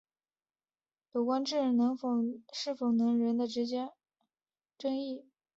不过有关智人是否能人的直接后代还有争议。